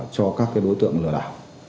cho các cái đối tượng lừa đảo